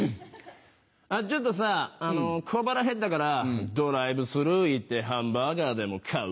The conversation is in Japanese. ちょっとさ小腹へったからドライブスルー行ってハンバーガーでも買う？